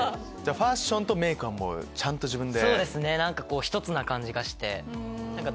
ファッションとメイクはちゃんと自分で。